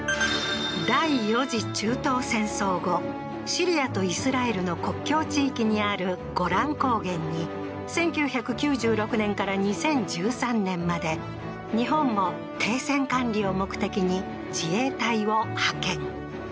第４次中東戦争後シリアとイスラエルの国境地域にあるゴラン高原に１９９６年から２０１３年まで日本も停戦管理を目的に自衛隊を派遣